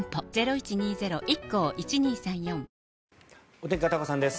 お天気、片岡さんです。